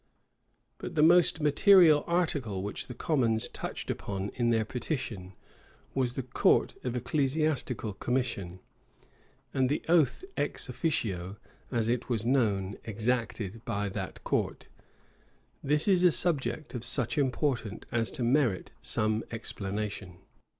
But the most material article which the commons touched upon in their petition, was the court of ecclesiastical commission, and the oath "ex officio," as it was called, exacted by that court. This is a subject of such importance as to merit some explanation.